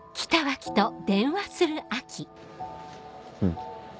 うん。